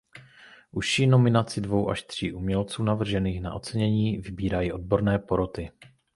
Užší nominaci dvou až tří umělců navržených na ocenění vybírají odborné poroty.